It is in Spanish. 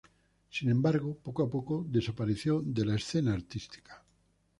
Sin embargo, poco a poco desapareció de la escena artística.